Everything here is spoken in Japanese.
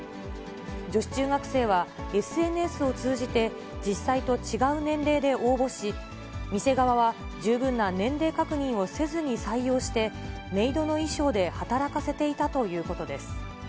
女子中学生は、ＳＮＳを通じて、実際と違う年齢で応募し、店側は、十分な年齢確認をせずに採用して、メイドの衣装で働かせていたということです。